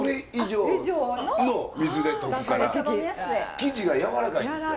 生地がやわらかいんですよ。